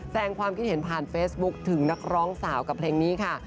แสดงความคิดเห็นผ่านเฟซบุ๊คถึงนักร้องสาวกับเพลงนี้ค่ะ